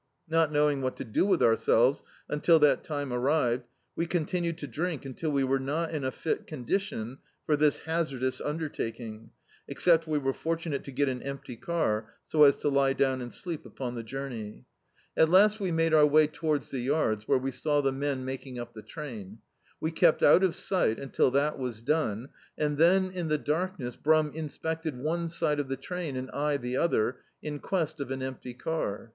Not know ing what to do with ourselves undl that time arrived, we continued to drink until we were not in a fit condition for this hazardous undertaking — except we were fortunate to get an empty car, so as to lie down and sleep upon the journey. At last we made D,i.,.db, Google A Night's Ride our way towards the yards, where we saw the men making up the train. We kept out of si^t until that was done and then in the darkness Brum in spected one side of the train and I the other, in quest of an empty car.